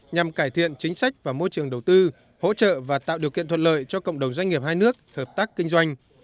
nhằm cải thiện chính sách và môi trường đầu tư hỗ trợ và tạo điều kiện thuận lợi cho cộng đồng doanh nghiệp hai nước hợp tác kinh doanh